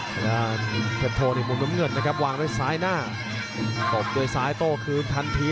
เพชโธมุมน้ำเหงิดนะครับวางและขับลงทางซ้ายหน้าหับลงทางซ้ายโตคืนทันที